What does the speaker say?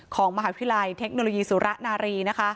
ของมหาวิทยาลัยเทคโนโลยีสุระนารี